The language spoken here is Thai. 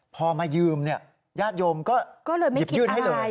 พอมายืมญาติโยมก็หยิบยื่นให้เลย